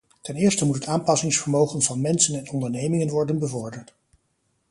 Ten eerste moet het aanpassingsvermogen van mensen en ondernemingen worden bevorderd.